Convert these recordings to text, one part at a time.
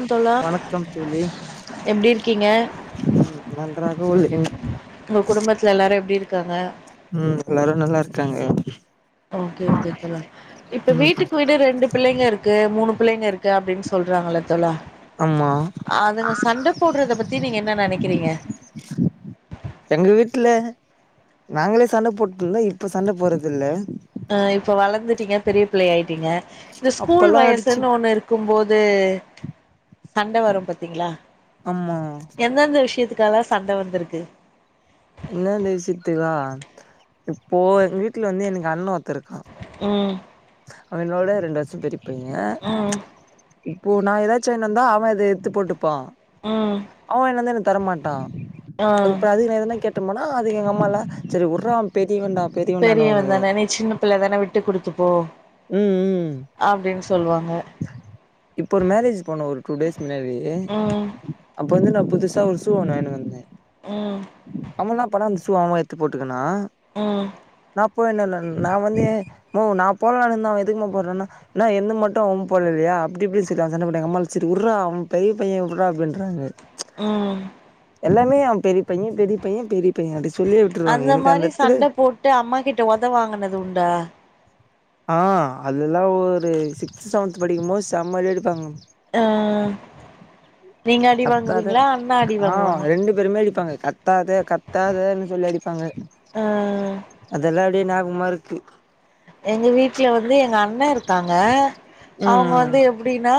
ம் தோழா வணக்கம் தோழி எப்டி இருக்கீங்க ம் நன்றாக உள்ளேன் உங்கள் குடும்பத்ல எல்லாரு எப்டி இருக்காங்க ம் எல்லாரும் நல்லார்க்காங்கே ஓகே கே சொல்வல் இப்ப ம் வீட்டுக் வீடு ரெண்டு பிள்ளைங்க இருக்கு மூணு பிள்ளைங்க இருக்கு அப்டின் சொல்றாங்க இலத் தோலா ஆமா அதுங்க சண்ட போட்றத பத்தி நீங்க என்ன நெனைக்கிறீங்க எங்க வீட்ல நாங்களே சண்ட போட்டுந்தா இப்ப சண்ட போறதில்ல அ இப்ப வளந்துட்டீங்க பெரிய பிள்ளையாய்ட்டீங்க இந்த ஸ்கூல் அப்பல்லா அடிச்சு வயசுன்னு ஒண்ணு இர் க்கும்போது சண்ட வரும் பத்தீங்ளா ஆமா எந்தெந்த விஷ்யத்து க்கலா சண்ட வந்துருக்கு இன்னான்னு விஸ்யத்துக்லா இப்போ எங்க வீட்ல வந்து எனக்கு அண்ண ஒருத்தருக்கா ம் அவ் என்னோட ரெண்டு வர்ஷோ பெரிப்பய்ய ம் இப்போ நா எதாச்சு வாங்கிட் வந்தா அவெ இத எடுத்து போட்டுப்பா ம் அவெ வாங்கினு வந்தா எனக் தர மாட்டா ஆ அதுப்பதில் நா எதன்னா கேட் டம்னா அது எங்க அம்மால சரி வுடுற அவெ பெரியவேன்ட பெரியவந்தானே நீ சின்ன பிள்ள தானே விட்டு குடுத்துப்போ ம் ம் அப்டின் சொல்வாங்க. இப்போ ஒரு மேரேஜ் போனோ ஒரு டூ டேஸ் முன்னாடி ம் அப்ப வந்து நா புதுசா ஒரு ஷூ ஒன்னு வாங்கினு வந்தே ம் நம்ம என்னா பண்ணோ அந்த ஷூவ அவெ எத்து போட்டுக்கனா ம் நா போய் இல்லல நா வந்து மோ நா போலானுந்தா அவ எதுக்குமா போடுறான்னா என்னா என்து மட்டு அவெ போடலலியா அப்டி இப்டினு சொல்லி நா சண்ட போட்டே எங் அம்மாளு செரி வுட்றா அவன் பெரிய பைய விடுறா அப்டின்றாங்க ம் எல்லாமே அவ பெரிய பைய பெரிய பைய பெரிய பைய அப்டி சொல்லியே விட்டுருவாங்க எனக்கு மாரி அந்த எத்துல சண்ட போட்டு அம்மா கிட்ட ஒத வாங்கினது உண்டா ஆ அதெல்லா ஒரு சிக்ஸ்த் செவன்த் படிக்கும்போது செம்ம அடி அடிப்பாங்க. ஆ நீங்க அடி வாங்குவீங்களா அண்ண அடி வாங்குவாங்க பேரைமே அடிப்பாங்க கத்தாத கத்தாதன்னு சொல்லி அடிப்பாங்க. அ அதெல்லா அப்டியே நாபகமா இருக்கு. எங்க வீட்ல வந்து எங்க அண்ண இருக்காங்க அவங்க வந்து எப்டின்னா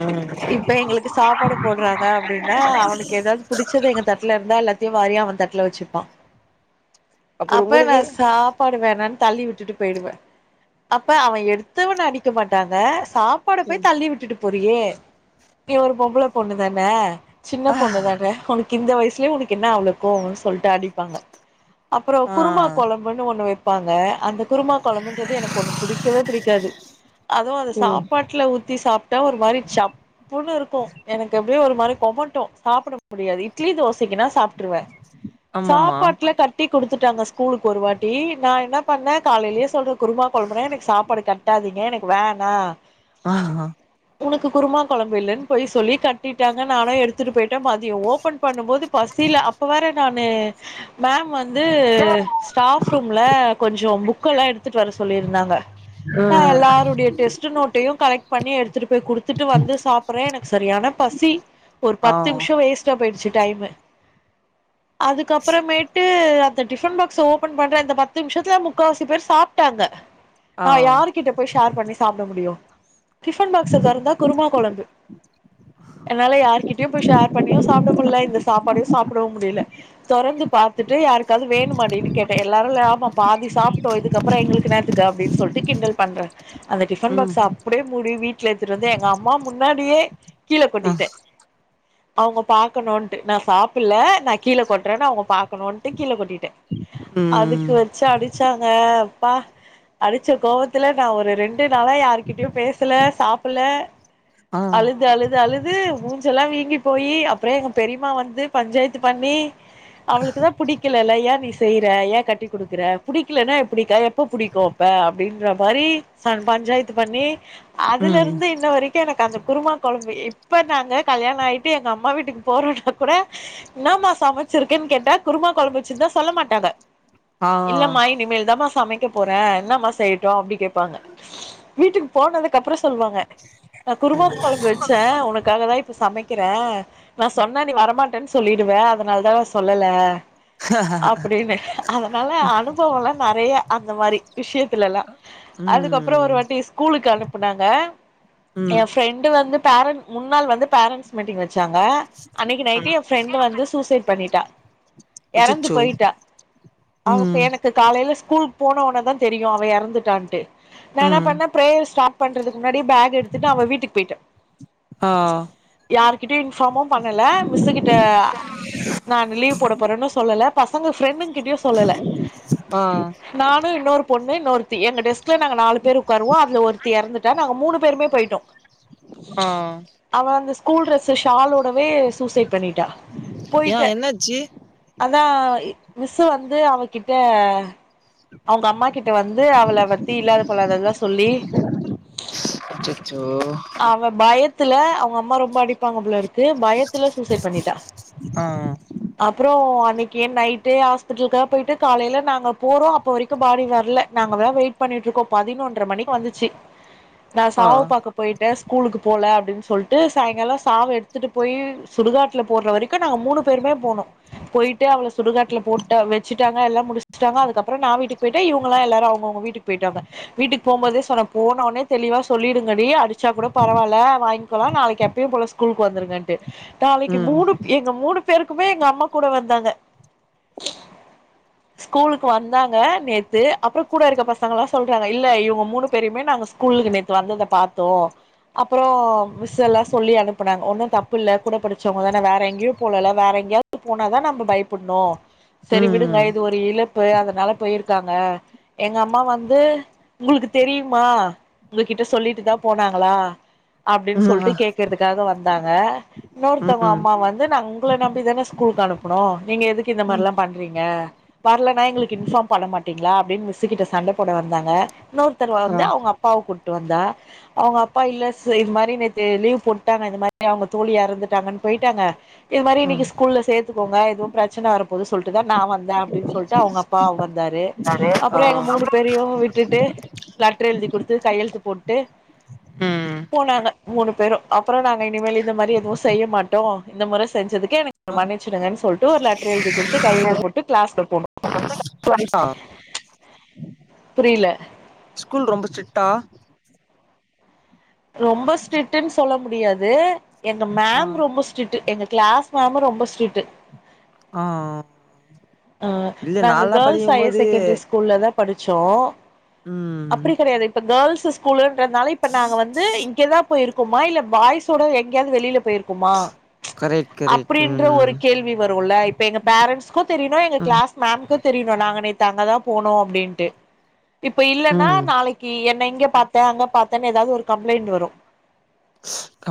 ஆ இப்ப எங்களுக்கு சாப்பாடு போடுறாங்க அப்டின்னா அவனுக்கு எதாது புடிச் சது எங்க தட்ல இருந்தா எல்லாத்தையு வாரி அவன் தட்டுல வெச்சுப்பா அப்புறோ அப்ப நா உங்களுக்கு சாப் ப்பாடு வேணானு தள்ளி விட்டுட்டு போயிடுவ அப்ப அவ எடுத்தவன்ன அடிக்க மாட்டாங்க சாப் பாட ம் போய் தள்ளி விட்டுட்டு போறியே நீ ஒரு பொம்பள பொண்ணுதான சின்ன ஆ பொண்ணுதான உனக் கிந்த வயசுலே உனக்கு என்ன அவ்ளோ கோவோன் சொல்ட்டு அடிப்பாங்க அப்பறோ ஆ குருமா கொழம் புன்னு ஒன்னு வெப்பாங்க அந்த குருமா கொழம்புன்றது எனக்கு ஒன்னும் புடிக்கவே புடிக்காது அதுவு அத ம் சாப்பாட்டுல ஊத்தி சாப் டா ஒரு மாரி சப் புன்னு இருக்கு எனக்கு அப்டியே ஒரு மாரி கொமட்டு சாப்ட முடியாது இட்லி தோசைக்குனா சாப் ட்ருவ ஆமாமா சாப்பாட்டுல கட் ட்டி குடுத்துட்டாங்க ஸ்கூலுக்கு ஒரு வாட்டி நா என்ன பண்ண காலைலே சொல்ற குருமா கொழம்புனா எனக் சாப்பாடு கட்டாதீங்க எனக்கு வேணா அ ஆ உனக்கு குருமா கொழம்பு இல்லன் பொய் சொல்லி கட்டிட்டாங்க நானு எடுத்துட்டு போயிட்ட மதியோ ஓபன் பண்ணும்போது பசில அப் ப்ப வேற நானு மேம் வந்து ஸ்டாஃப் ரூம்ல கொஞ்சொ புக்கலா எடுத்துட்டு வர சொல்லிருந்தாங்க தா ம் எல்லாருடய டெஸ்ட் நோட்டையு கலெக்ட் பண்ணி எடுத்துட்டு போய் குடுத்துட்டு வந்து சாப்புறே எனக்கு சரியானா பசி ஒரு ஆ பத்து மிஷோ வேஸ்டா போயிடுச்சு டைமு அதுக்கப்பறமேட்டு ந்த டிபன் பாக்ஸ ஓபன் பண்ற இந்த பத்து மிஷத்துல முக்காவசி பேர் சாப்டாங்க ஆ நா யாரு கிட்டப் போய் ஷேர் பண்ணி சாப்ட முடியு டிபன் பாக்ஸ தெறந்தா குருமா கொழம்பு என்னால யாருகிட்டயு போய் ஷேர் பண்ணியு சாப்ட முல்ல இந்த சாப்பாடையு சாப்பிடவு முடியல தொறந்து பாத்துட்டு யாருக்காவது வேணுமாடினு கேட்ட எல்லாரு ஆமா பாதி சாப்டோ இதுக்கப் அப்ற எங்களுக்கு என்னாத்துக்கு அப்டின் சொல்ட்டு கிண்டல் பண்ற அந்த டிஃபன் ம் பாக்ஸ அப்டியே மூடி வீட்ல எடுத்துட்டு வந்து எங்க அம்மா முன்னாடியே கீழ ஆ கொட்டிட்ட அவங்க பாக்கணுன்ட்டு நா சாப்பில நா கீழ கொட்றனு அவங்க பாக் ணுன்ட்டு கீழ கொட்டிட்ட அதுக்கு ம் வச்சு அடிச்சாங்க ப்பா அடிச்ச கோவத்துல நா ஒரு ரெண்டு நாளா யாருகிட்டயு பேசல சாப்புல ஆ அழுது அழுது அழு து மூஞ்செல்லா வீங்கி போயீ அப்பற எங்க பெரிமா வந்து பஞ்சாயத்து பண்ணி அவளுக்குதாப் புடிக்கலல்ல ஏ நீ செய்ற ஏ கட்டி குடுக்குற புடிக்கலன்னா எப்டிக்கா போ புடிக்கு அப்ப அப்டின்ற மாரி ஃப பஞ்சாயத்து பண்ணி அதுல ம் இருந்து இன்ன வரைக் எனக்கு அந்த குருமா கொழம்பு இப்ப நாங்க கல்யாண ஆயிட்டு எங்க அம்மா வீட்டுக்கு போறோனா கூட என்னமா சமைச்சிருக்கேன் கேட்டா குருமா கொழம்பு வச்சிருந்தா சொல்ல மாட்டாங்க ஆ இல்லமா இனிமேல் தாமா சமைக்க போற என்னமா செய்ட்டு அப்டி கேட்பாங்க வீட்டுக்கு போனதுக்கு அப்பற சொல்வாங்க [inaudible] நா குருமா கொழம்பு வெச்ச உனக்காக தா இப்ப சமைக் க்கிற நா சொன்னா நீ வரமாட்டன் சொல்லிடுவ அதனால தா சொல்லல அப்டினு அதனால அனுபவல்லா நெறையா அந்த மாரி விஷ்யத்துலலா அதுக்கப்ரோ ம் ஒரு வாட்டி ஸ்கூலுக்கு அனுப்புனாங்க ம் எ ஃப்ரெண்டு வந்து பேரண் முன்னால் வந்து பேரண்ட்ஸ் மிட்டிங் வச்சாங்க அன்னைக்கு ம் நைட்டு என் ஃபிரெண்ட் வந்து சூசைட் பண்ணிட்டா எறந்து அச்சச்சோ போயிட்டா ம் து காலையில ஸ்கூல் போன உன தா தெரியு அவ எறந்துட்டான்ட்டு நா என்ன ம் பண்ண பிரேயர் ஸ்டாட் பண்றதுக்கு முன்னாடியே பேக் எடுத்துட்டு அவ வீட்டுக்கு போயிட்ட ஆ யாருகிட்டயு இன்ஃபார்மு பண்ணல மிஸ்ஸு கிட்ட நான் லீவ் போட போறேன்னு சொல்லல பசங்க ஃப்ரெண்டுங்கிட்டயு சொல்லல ஆ நானு இன்னொரு பொண்ணு இன்னொருத்தி எங்க டெஸ்க்ல நாங்க நாலு பேர் உக்காருவோ அதுல ஒருத்தி எறந்துட்டா நாங்க மூணு பேருமே போயிட் டொக் அ அவ அந்த ஸ்கூல் ட்ரஸ் ஷாலோடவே சூசைட் பண்ணிட்டா ஏ போயிட்ட என்னாச்சு அதா மிஸ்ஸு வந்து அவகிட்ட அவங்க அம்மா கிட்ட வந்து அவள பத்தி இல்லாத பொல்லாததுல்லா சொல்லி ஸ் அச்சச்சோ அவ பயத்துல அவங்க அம்மா ரொம்ப அடிப்பாங்க போலருக் கு பயத்துல சூசைட் பண்ணிட்டா ஆ அப்றோ அன்னைக்கு நைட்டே ஹாஸ்பிட்டலுக போயிட்டு காலையில நாங்க போறோ அப்ப வரைக் பாடி வரல நாங்களா வெயிட் பண்ணிட்டு இருக்கோ பதினொன்ற மணிக்கு வந்துச்சு நா ஆ சாவு க்கு போயிட்டே ஸ்கூலுக்கு போல அப்டின்னு சொல்லிட்டு சாயங்காலோ சாவு எடுத்துட்டு போய் சுடுகாட்டல போட்ற வரைக் க்கு நாங்க மூணு பேருமே போனோ போயிட்டு அவள சுடுகாட்டுல போட்டு வெச்சுட்டாங்க எல்லா முடிச்சுட்டாங்க அதுக்கப்றோ நா வீட்டுக்கு போயிட் டே இவங்களா எல்லாரு அவங்கவுங்க வீட்டுக்கு போயிட்டாங்க வீட்டுக்கு போம் போதே சொன்ன போன ஒடனே தெளிவா சொல்லிடு ங்கடி அடிச்சா கூட பரவாயில்ல வாங்கிக்கோலா நாளைக்கு அப்பயே போல ஸ்கூலுக்கு வந்துருங்கன்ட்டு நாளைக்கு ம் மூணு எங்க மூணு பேருக்குமே எங்க அம்மா கூட வந்தாங்க ஸ்கூலுக்கு வந்தாங்க நேத்து அப்றோ கூட இருக்க பசங்களல்லா சொல்றாங்க இல்ல இவங்க மூணு பேரையுமே நாங்க ஸ்கூலுக்கு நேத்து வந்தத பாத்தோ அப்றோ மிஸ் எல்லா சொல்லி அனுப்புனாங்க ஒன்னு தப்பு இல்ல கூட படிச்சவங்க தானே வேற எங்கேயு போலல்ல வேற எங்கேயா து போன தா நம்ம பயப்படணு செரி விடுங்க ம் இது ஒரு இலப் பு அதனால போயிருக்காங்க எங்க அம்மா வந்து உங்களுக்கு தெரியுமா உங்ககிட்ட சொல்லிட்டு தா போனாங்களா அப்டின்னு ம் ஆ சொல்லிட்டு கேக்குறதுக்காக வந்தாங்க இன்னொருத்தவங்க ம் அம்மா வந்து நா உங்கள நம்பி தானே ஸ்கூலுக்கு அனுப்புணு நீங்க எதுக்கு இந்த ம் மாரிலா பண்ணுறீங்க வரலன்னா எங்களுக்கு இன்ஃபார்ம் பண்ண மாட்டீங்களா அப்டின்னு மிஸ்சுகிட்ட சண்ட போட வந்தாங்க இன்னொருத்தர் ஆ வந்து அவங்க அப் அப்பாவ கூட்டு வந்தா அவங்க அப்பா இல்ல இது மாரி லீவ் போட்டுட்டாங்க இந்த மாரி அவங்க தோழி எறந்துட்டாங்கன்னு போயிட்டாங்க இது மாரி ம் இன்னிக்கு ஸ்கூல்ல சேத்துக்கோங்க எதுவு பிரச்சன வரப்போது சொல்லிட்டு தா நா வந்தே அப்டின்னு சொல்லிட்டு அவங்க அப்பா வந்தாரு தரே ஆ அப்புறோ எங்க மூணு பேரையு விட்டுட்டு லெட்டர் எழுதி குடுத்து கையெழுத்து போட் டு ம் போனாங்க மூணு பேரு அப்றோ நாங்க இனிமேல் இந்த மாரி எதுவு செய்ய மாட்டோ இந்த முற செஞ்சதுக்கு எனக் மன்னிச்சுடுங்கன்னு சொல்லிட்டு ஒரு லெட்டர் எழுதி குடுத்து கையெழுதி போட்டு கிளாஸ்ல போனோ ஆ புரில ஸ்கூல் ரொம்ப ஸ்ரிக்ட்டா ரொம்ப ஸ்ட்ரிக்டுன்னு சொல்ல முடியாது எங்க ஆ மேம் ரொம்ப ரொம்ப ஸ்ரிட்டு எங்க கிளாஸ் மேமு ரொம்ப ஸ்ரிட் ஆ ஆ இல்ல நாங்க நால்லா கேர்ள்ஸ் படிக்கும் ஹையர் போது செகண்டரி ஸ்கூ ஸ்கூல்ல தா படிச்சோ ம் அப்டி கெடையாது இப்ப கேர்ள்சு ஸ்கூலன்றதுனால இப்ப நாங்க வந்து இங்கேதா போயிருக்கோமா இல்ல பாய்ஸோட எங்கயாவது வெளில போயிருக் க்கோமா கரெக்ட் கரெக்ட் அப்டின்ற ஒரு ம் கேள்வி வருல இப்ப எங்க பேரன்ட்ஸ்கு தெரியனு எங்க ம் கிளாஸ் மேம்க்கு தெரியணு நாங்க நேத்து அங்கதா போனோ அப்டின்ட்டு இப்ப இல்லென்னா ம் நாளைக்கி என்ன இங்க பாத்த அங்க பாத்தனு எதாவது ஒரு கம்ப்ளைண்ட் வரு ஆ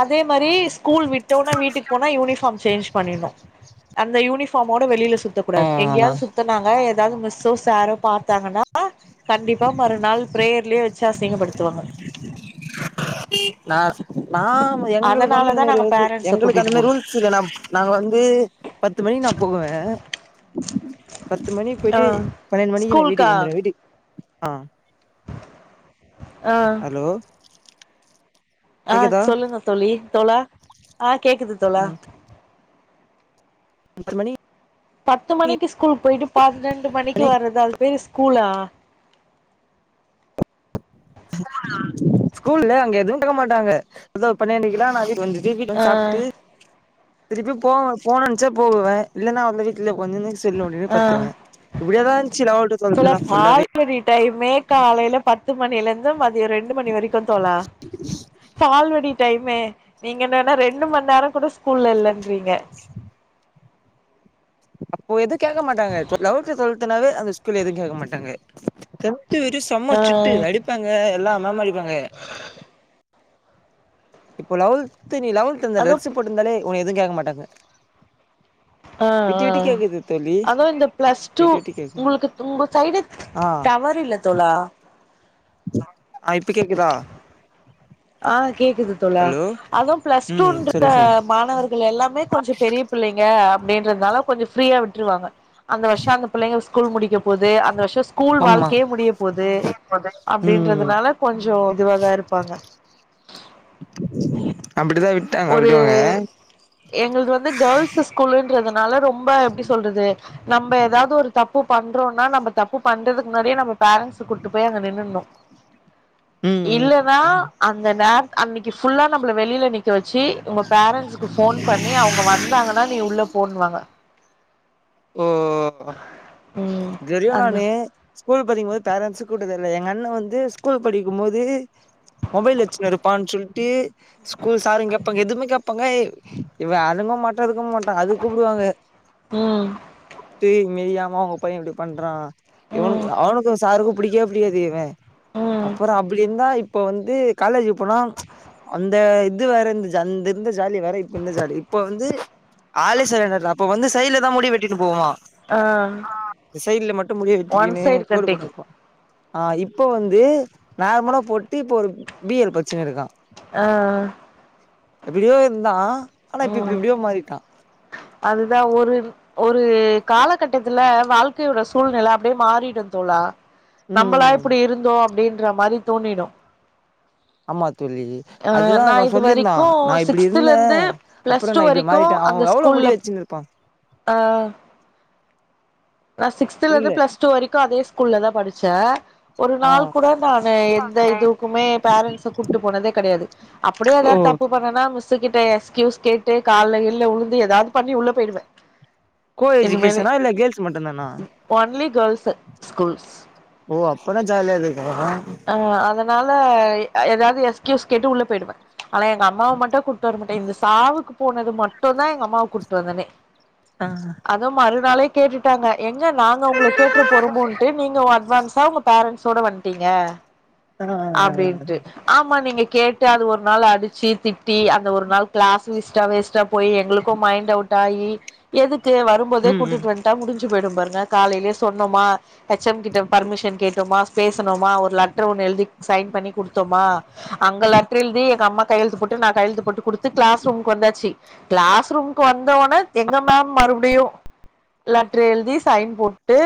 அதே மாரி ஸ்கூல் விட்டோனே வீட்டுக்கு போனா யூனிஃபாம் சேஞ்ச் பண்ணிட்னு அந்த யூனிஃபார்மோட வெளில சுத்தக் ஆ கூடாது எங்கேயாது சுத்தனாங்க எதாவது மிஸ்ஸோ சாரோ பாத்தாங்கனா கண்டிப்பா மறுநாள் பிரேயர்லயு வெச்சு அசிங்கப்படுத்துவாக நா நா எங்ளுக்கு வந்து அந்த அதனாலதா மாரி நாங்க பேரண்ட்ஸ எங்ளுக்கு கூட்டிட்டு அந்த மாரி போனோ ரூல் [unintelligible] நாங்க வந்து பத்து மணி நா போவே பத்து மணி ஆ போயிட்டு பன்னெண்டு மணி நா ஸ்கூல்கா வீட்டுக்கு வந்துடுவ வீட்டுக் ஆ ஆ ஹலோ ஆ கேக்குதா சொல்லுங்க தோழி தோழா ஆ கேக்குது தோழா ம் [unintelligible] பத்து மணிக்கு ஸ்கூல் போயிட்டு பன்னெண்டு மணிக்கு மணி வர்றது அது பேர் ஸ்கூல்லா ஸ்கூல்ல அங்க எதுவு கேக்க மாட்டாங்க எதோ பன்னெண்டுகிலா நா வீட்டுக் வந்து ஜீ வீட்ல ஆ வந்து சாப்ட்டு திருப்பி போனவ போனுனென்ச்சா போவுவ இல்லனா வந்து வீட்லே உக்காந்துனு செல் நோன்டினு ஆ பத்துர்வ இப்டியே தா இன்ச்சி லவத்து ட்வொல்த்துலா ஃபுல்லாவே தையுமே காலைல பத்து மணிலந்து மதியு ரெண் டுமணி வெரிக்கு தோழா பால்வாடி டைமு நீங்க என்னனா ரெண்டு மண் நேரங் கூட ஸ்கூல்ல இல்லன்றீங்க அப்போ எது கேக்க மாட்டாங்க ட்வ லவல்த்து டொல்த்துனாவே அந்த ஸ்கூல்ல எது கேக்க மாட்டாங்க டென்த்து வெரியு செம ஆ ஸ்டிட்டு அடிப்பாங்க எல்லா மேமு அடிப்பாங்க இப்போ லெவல்து நீ லெவல்த்திந்த ட்ரெஸ்ஸு அதுவு போட்ருந்தாலே உன எதுவு கேக்க மாட்டாங்க ஆ விட்டு ஆ விட்டு கேக்குது தோழி அதா இந்த ப்ளஸ் டூ விட்டு விட்டு கேக்குது உங்குளுக்கு உங்க சைடு ஆ டவர் இல்ல தோழா ஆ இப்ப கேக்குதா ஆ கேக்குது தோழா ஹலோ அதா ப்ளஸ் ம் டூன்ற சொல்லு சொல்லு மாணவர் கள் எல்லாமே கொஞ்சோ பெரிய பிள்ளைங்க அப்டின்றத்னால கொஞ்சோ ஃப்ரீயா விட்ருவாங்க அந்த வர்ஷோ அந்த பிள்ளைங்க ஸ்கூல் முடிக்க போது அந்த வர்ஷோ ஸ் கூல் ஆமா வாழ்க்கயே முடிய போது ம் அப்டின்றதுனால கொஞ்சோ இதுவாதா இருப்பாங்க அப்படிதா விட் ஒரு எங்குள்து வந்து கேள்ஸு ஸ் கூலுன்றதுனால ரொம்ப எப்டி சொல்றது நம்ப எதாவ்து ஒரு தப்பு பண்றோனா நம்ப தப்பு பண்றதுக்கு முன்னாடியே நம்ப பேரண்ஸு கூட்டு போய் அங்க நின்னுன்னோ ம் இல்லனா ம் அந்த நேரத் அன்னிக்கி ஃபுல்லா நம்பள வெளில நிக் க வெச்சி உங்க பேரண்ட்ஸுக்கு ஃபோன் பண்ணி அவுங்க வந்தாங்கனா நீ உள்ள போனுவாங்க ஓ ம் இதுவெரியு அந்த நானு ஸ்கூல் படிக்ம்போத் பேரண்ஸு கூட்டது இல்ல எங்க அண்ண வந்து ஸ்கூல் படிக்கும்மோது மொபைல் வெச்சுன் இருப்பான் சொல்ட்டு ஸ்கூல் சாருங் கேப்பாங்க எதுவுமே கேப்பாங்க எ இவ அடங்கவு மாட்டா எதுக்கு மாட்டா அதுக் கூப்டுவாங்க ம் பேய் மேரியாம உங்க பைய இப்டி பண்றா இவனுக் ம் அவுனுக்கு சாருக்கு பிடிக்கவே பிடிக்காது இவே ம் அப்பறோ அப்படி இந்தா இப்ப வந்து காலேஜு போனா அந்த இது வேற இந்த ஜா அந்த இந்த ஜாலி வேற இப்ப இந்த ஜாலி இப்ப வந்து ஆளே சைலேன்ட்டாய்டா அப்ப வந்து சைட்ல தா முடி வெட்டிட்டு போவா ஆ இத் சைட்ல மட்டு முடிய ஒன் வெட்டிக்கினு சைடு கோடு கட்டிங் போட்னுருப்பா ஆ இப்ப வந்து நார்மலா போட்டு இப்போ ஒரு பி எல் பச்சினு இருக்கா ஆ ஆ எப்டியோ இருந்தா ஆனா இப்ப இப் ம் இப்டியோ மாறிட்டா அதுதா ஒரு ஒரு காலகட்டத்துல வாழ்க்கையோட சூழ்நில அப்டியே மாறிடு தோழா நம்பளா ம் இப்படி இருந்தோ அப்டின்ற மாரி தோனிடு ஆமா தோழி ஆ அதுதா நா அவ இது சொல்லிருந்தா வரைக்கு நா இப்டி சிக்ஸ்துல இருந்தே இருந்து பிளஸ் அப்புறோ டூ நா இப்டி வரைக்கு மாறிட்டே அவ எவ்ளோ முடி வெச்சுனிரு ப்பா அ நா சிக்ஸ்த்துலந்து புரில ப்ளஸ் டூ வரிக்கு அதே ஸ்கூல்ல தா படிச்சே ஒரு ஆ நாள் கூட நானு எந்த இதுக்குமே பேரண்ட்ஸ கூட்டு போனதே கிடையாது அப்படியே ஓ ஏதாவது தப்பு பண்ணனா மிஸ் ஸ்ஸு கிட்ட எக்ஸ்கியூஸ் கேட்டு கால்ல கில்ல உழுந்து ஏதாவது பண்ணி உள்ள போயிடுவேன் கோ எஜ்ஜூகேஷனா இல்ல கேர்ள்ஸ் மட்டும் தானா ஒன்லி கேர்ள்ஸு ஸ்கூல்ஸ் ஓ அப்பன்னா ஜாலியா இருந்துருக்கலா ஆ அதனால ஏதாவது எஸ்கியூஸ் கேட்டு உள்ள போயிடுவே ஆனா எங்க அம்மாவ மட்டும் கூட்டு வர மாட்டே இவுங்க சாவுக்கு போனது மட்டும்தா எங்க அம்மாவ கூப்ட்டு வந்தனே அ அதும் மறுநாளே கேட்டுட்டாங்க எங்க நாங்க அவுங்கள கேட்ற போறோமோன்ட்டு நீங்க அட்வான்ஸா உங்க பேரன்ஸோட வன்ட்டீங்க அப்டின்ட்டு ஆமா நீங்க கேட்டு அது ஒரு நாள் அடிச்சு திட்டி அந்த ஒரு நாள் கிளாஸ்சும் வேஸ்டாவு வேஸ்ட்டா போய் எங்களுக்கும் மைண்ட் அவுட் ஆயி எதுக்கு வரும்போதே ம் ம் கூட்டிட்டு வந் ட்டா முடிஞ்சு போயிடும் பாருங்க காலையிலே சொன்னமா எச் எம் கிட்ட பர்மிஷன் கேட்டோமா பேசுனோமா ஒரு லெட்டர் ஒன்னு எழுதி சைன் பண்ணி குடுத்தமா அங்க லெட்டர் எழுதி எங்க அம்மா கையெழுத்து போட்டு நா கையெழுத்து போட்டு குடுத்து கிளாஸ் ரூம்க்கு வந்தாச்சு கிளாஸ் ரூம்க்கு வந்த உன்னே எங்க மேம் மறுபடியும் லெட்டரு எழுதி சைன் போட் டு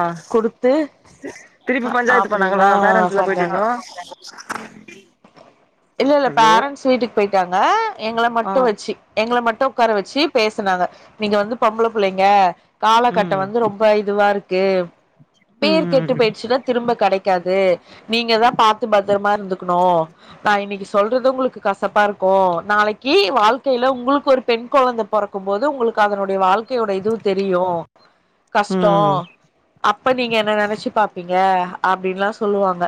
ஆ திருப்பி பஞ்சாயத்து பண்ணாங்களா அப்டிலா பேரன்ட்ஸ் பண்ணாங்க மீட்டிங்கு இல்ல இல்ல பேரண்ட்ஸ் வீட்டுக்கு போயிட்டாங்க எங்கள ஆ மட்டும் வச்சு எங்கள மட்டும் உக்கார வச்சு பேசுனாங்க நீங்க வந்து பொம்பள புள்ளைங்க காலகட்டம் ம் வந்து ரொம்ப இதுவா இருக்கு பேர் ம் கெட்டு ம் போயிடுச்சுன்னா திரும்ப கிடைக் க்காது நீங்க தா பாத்து பத்திரமா இருந்துக் கணும் நா இன்னிக்கு சொல்றது உங்களுக்கு கசப்பா இருக்கும் நாளைக்கு வாழ்க்கையில உங்களுக்கு ஒரு பெண் கொழந்த பொறக்கும் போது உங்களுக்கு அதனுடைய வாழ்க்கையோட இது தெரியும் ம் கஷ்டம் அப்ப நீங்க என்ன நினைச்சு பாப்பீங்க அப்படின்ல்லா சொல்லுவாங்க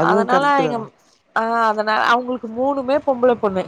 அதுவு அதனால கரெக்ட்டு தா எங்க ஆ அதனால அவுங்களுக்கு மூணுமே பொம்பள பொண்ணு